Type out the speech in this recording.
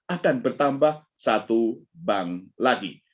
akan bertambah satu bank lagi